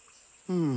うん。